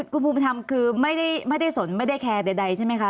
คุณภูมิธรรมคือไม่ได้สนไม่ได้แคร์ใดใช่ไหมคะ